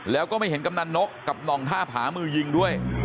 แล้วก็ไม่เห็นกำนันนกกับหน่องท่าผามือยิงด้วย